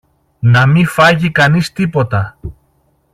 να μη φάγει κανείς τίποτα!